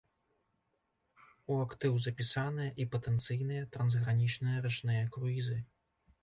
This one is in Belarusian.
У актыў запісаныя і патэнцыйныя трансгранічныя рачныя круізы.